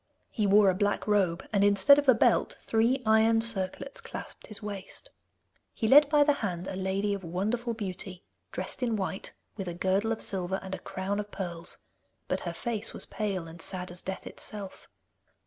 He wore a black robe, and instead of a belt three iron circlets clasped his waist. He led by the hand a lady of wonderful beauty, dressed in white, with a girdle of silver and a crown of pearls, but her face was pale and sad as death itself.